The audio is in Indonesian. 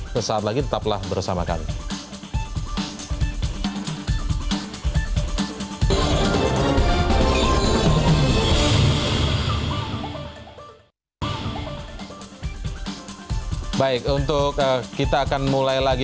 sesaat lagi tetaplah bersama kami